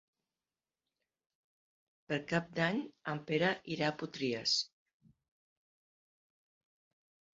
Per Cap d'Any en Pere irà a Potries.